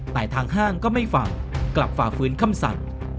แต่ทางห้างก็ไม่ฟังกลับฝ่าฟื้นคำสั่ง